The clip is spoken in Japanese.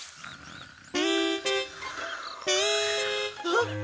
あっ！